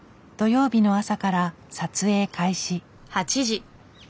土曜日の朝から撮影開始。